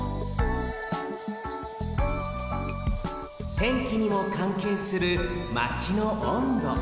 てんきにもかんけいするマチの温度。